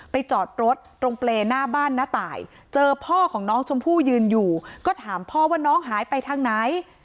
จอดรถตรงเปรย์หน้าบ้านน้าตายเจอพ่อของน้องชมพู่ยืนอยู่ก็ถามพ่อว่าน้องหายไปทางไหน